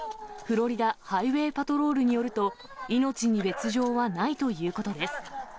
フロリダ・ハイウェイ・パトロールによると、命に別状はないということです。